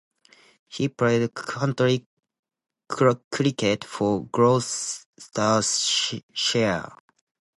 He played county cricket for Gloucestershire.